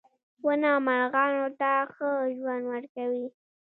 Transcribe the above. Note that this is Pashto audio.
• ونه مرغانو ته ښه ژوند ورکوي.